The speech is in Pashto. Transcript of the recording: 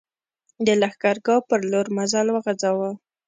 د لښکرګاه پر لور مزل وغځاوه.